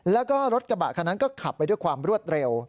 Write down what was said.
แล้วก็รถกระบะคันนั้นก็ขับไปด้วยความรวดเร็ว